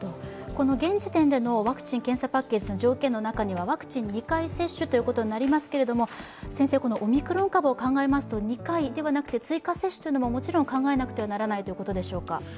この現時点でのワクチン・検査パッケージの条件の中にはワクチン２回接種ということになりますけれどもオミクロン株を考えますと２回ではなくて追加接種ももちろん考えなくてはならないということでしょうか。